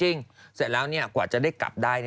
แต่คนที่นั่งไปกับฉันด้วยอีกตั้งเยอะแยะ